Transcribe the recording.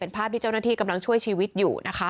ภาพที่เจ้าหน้าที่กำลังช่วยชีวิตอยู่นะคะ